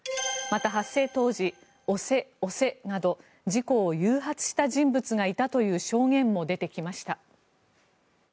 また、発生当時押せ、押せなど事故を誘発した人物がいたという証言も出てきました。